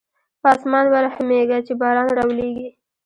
په اسمان ورحمېږه چې باران راولېږي.